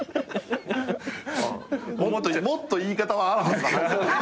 もっと言い方はあるはず。